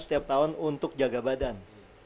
setiap tahun untuk jaga badan